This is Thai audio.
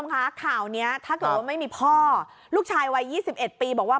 ค่ะข่าวเนี้ยถ้าเกิดว่าไม่มีพ่อลูกชายวัยยี่สิบเอ็ดปีบอกว่า